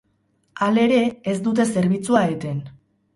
Halere, ez dute zerbitzua eten.